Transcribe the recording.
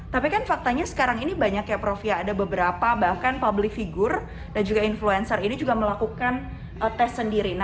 tapi kan faktanya sekarang ini banyak ya prof ya ada beberapa bahkan public figure dan juga influencer ini juga melakukan tes sendiri